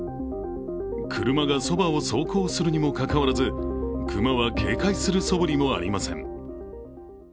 車がそばを走行するにもかかわらず、熊は警戒するそぶりもありません。